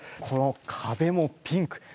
このかべもピンク。